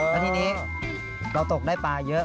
แล้วทีนี้เราตกได้ปลาเยอะ